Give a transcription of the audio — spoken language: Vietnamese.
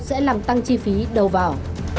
sẽ làm tăng chi phí đầu vào